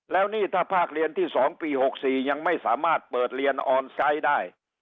แล้วนี่ถ้าภาคเรียนที่๒ปี๖๔ยังไม่สามารถเปิดเรียนออนไซต์ได้